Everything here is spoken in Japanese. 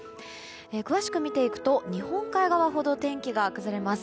詳しく見ていくと日本海側ほど天気が崩れます。